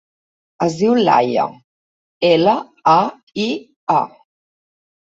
Es diu Laia: ela, a, i, a.